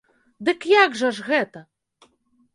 Дык як жа ж гэта?